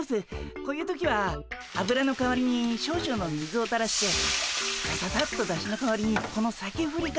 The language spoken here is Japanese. こういう時は油の代わりに少々の水をたらしてさささっとだしの代わりにこのさけふりかけをちょちょっと。